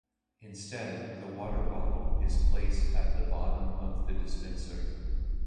Instead the water bottle is placed at the bottom of the dispenser.